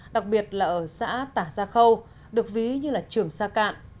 đặc biệt là ở xã tả gia khâu được ví như là trường sa cạn